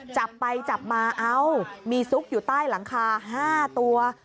จับไปจับมาเอ้ามีซุกอยู่ใต้หลังคา๕ตัว